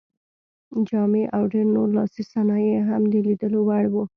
جامې او ډېر نور لاسي صنایع یې هم د لیدلو وړ وو.